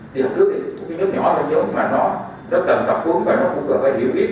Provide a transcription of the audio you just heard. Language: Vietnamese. thì học thức một cái nhốt nhỏ lên trước mà nó cần tập huấn và nó cũng cần phải hiểu biết